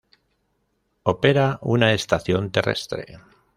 Opera una estación terrestre.